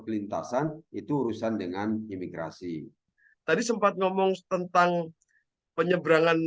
pelintasan itu urusan dengan imigrasi tadi sempat ngomong tentang penyeberangan